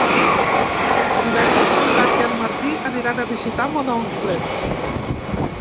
Divendres en Drac i en Martí aniran a visitar mon oncle.